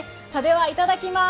いただきます！